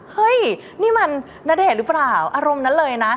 เฮ้ยนี่มันณเดชน์หรือเปล่าอารมณ์นั้นเลยนะ